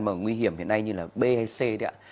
mà nguy hiểm hiện nay như là b hay c đấy ạ